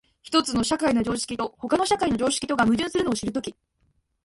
一つの社会の常識と他の社会の常識とが矛盾するのを知るとき、